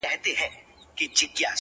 • لېوه خره ته ویل ته تر ما هوښیار یې ,